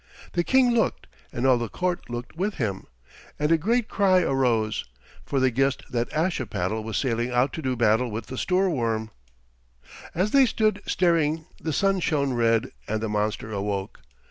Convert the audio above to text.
The King looked, and all the court looked with him, and a great cry arose, for they guessed that Ashipattle was sailing out to do battle with the Stoorworm. As they stood staring the sun shone red and the monster awoke.